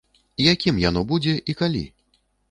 Якім яно будзе і калі?